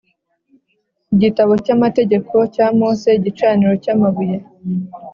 Igitabo Cy amategeko ya mose igicaniro cy amabuye